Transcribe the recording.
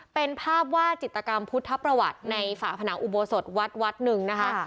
เป็นภาพวาดจิตกรรมพุทธประวัติในฝาผนังอุโบสถวัดวัดหนึ่งนะคะ